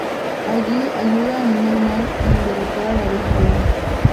Allí ayuda a Animal Man en derrotar a la Abeja Reina.